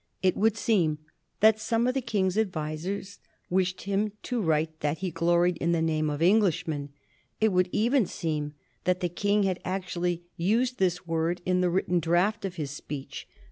It would seem that some of the King's advisers wished him to write that he gloried in the name of Englishman; it would even seem that the King had actually used this word in the written draft of his speech.